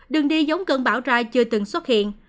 đường đi giống cơn bão ra chưa từng xuất hiện